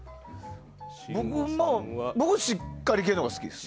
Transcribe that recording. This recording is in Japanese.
僕しっかり系のほうが好きです。